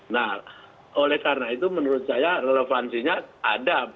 nah oleh karena itu menurut saya relevansinya ada